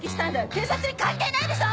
警察に関係ないでしょ！